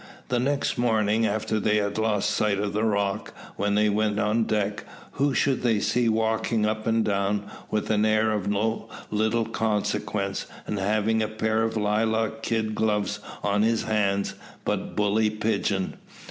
The next morning, after they had lost sight of the rock, when they went on deck, who should they see walking up and down, with an air of no little consequence, and having a pair of lilac kid gloves on his hands, but Bully Pigeon.